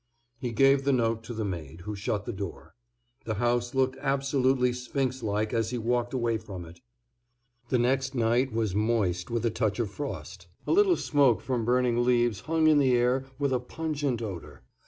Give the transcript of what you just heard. He gave the note to the maid, who shut the door. The house looked absolutely sphinx like as he walked away from it. The next night was moist with a touch of frost. A little smoke from burning leaves hung in the air with a pungent odor.